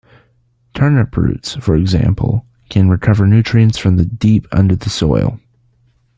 Turnip roots, for example, can recover nutrients from deep under the soil.